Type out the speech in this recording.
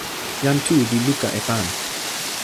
jan Tu li luka e pan.